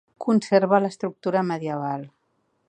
Conserva l'estructura medieval.